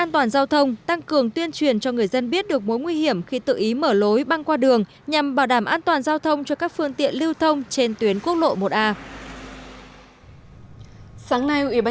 tình trạng này gây tiềm ẩn nguy hiểm khi lưu lượng phương tiện lưu thông trên quốc lộ một a là rất đông